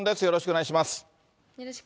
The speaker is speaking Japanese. よろしくお願いします。